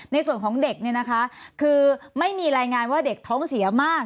ในส่วนของเด็กเนี่ยนะคะคือไม่มีรายงานว่าเด็กท้องเสียมาก